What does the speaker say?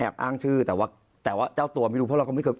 อ้างชื่อแต่ว่าแต่ว่าเจ้าตัวไม่รู้เพราะเราก็ไม่เคย